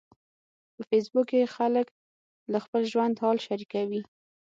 په فېسبوک کې خلک له خپل ژوند حال شریکوي.